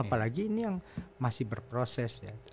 apalagi ini yang masih berproses